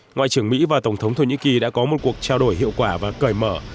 ngoại trưởng mỹ và tổng thống thổ nhĩ kỳ đã có một cuộc trao đổi hiệu quả và cởi mở